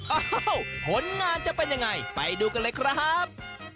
อ้าวผลงานจะเป็นยังไงไปดูกันเลยครับ